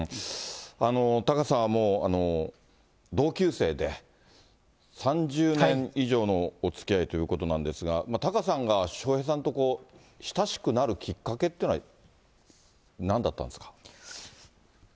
タカさんはもう、同級生で、３０年以上のおつきあいということなんですが、タカさんが笑瓶さんとこう、親しくなるきっかけっていうのはなんだったんですか。